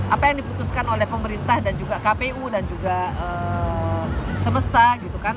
apa yang diputuskan oleh pemerintah dan juga kpu dan juga semesta gitu kan